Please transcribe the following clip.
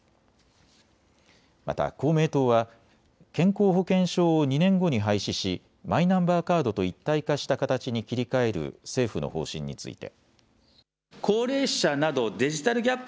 また公明党は健康保険証を２年後に廃止しマイナンバーカードと一体化した形に切り替える政府の方針について。